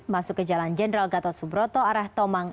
masuk ke jalan jenderal gatot subroto arah tomang